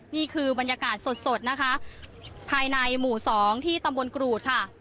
นี่คือบรรยากาศสดนะคะภายในหมู่๒ที่ตำบลกรูดค่ะ